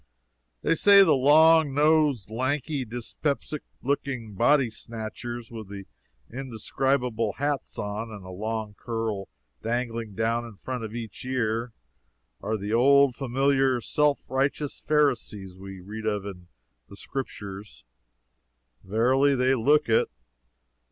They say that the long nosed, lanky, dyspeptic looking body snatchers, with the indescribable hats on, and a long curl dangling down in front of each ear, are the old, familiar, self righteous Pharisees we read of in the Scriptures. Verily, they look it.